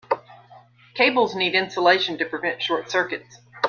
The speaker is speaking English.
Cables need insulation to prevent short circuits.